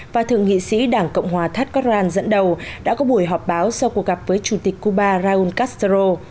và thượng nghị sĩ đảng cộng hòa thát cát ran dẫn đầu đã có buổi họp báo sau cuộc gặp với chủ tịch cuba raúl castro